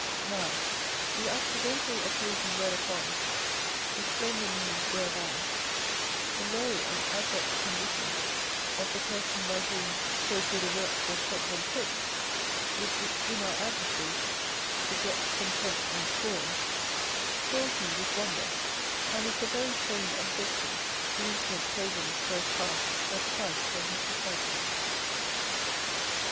Now, the accidental occasion whereupon, the slender means whereby, the low and abject condition of the person by whom, so good a work was set on foot, which in our adversaries beget contempt and scorn, fills me with wonder, and is the very same objection the insolent pagans first cast at Christ and his disciples.